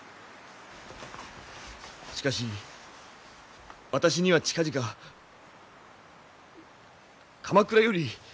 しかし私には近々鎌倉より。